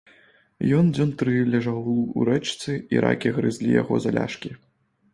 Ён дзён тры ляжаў у рэчцы, і ракі грызлі яго за ляшкі.